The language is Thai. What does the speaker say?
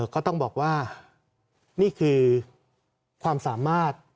ก็ต้องบอกว่านี่คือความสามารถ